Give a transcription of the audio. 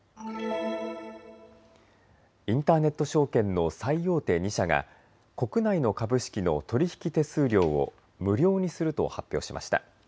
インターネット証券の最大手２社が国内の株式の取り引き手数料を無料にすると発表しました。